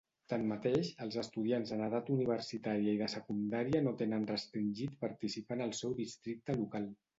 Tanmateix, els estudiants en edat universitària i de secundària no tenen restringit participar en el seu districte local.